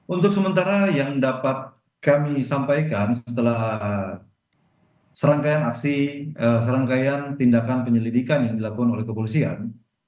untuk sementara yang dapat kami sampaikan setelah serangkaian tindakan penyelidikan yang dilakukan oleh kepolisian